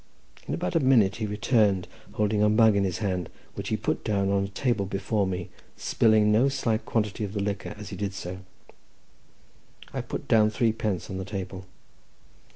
In about a minute he returned, holding a mug in his hand, which he put down on a table before me, spilling no slight quantity of the liquor as he did so. I put down three pence on the table.